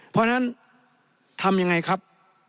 เพราะฉะนั้นทำยังไงครับ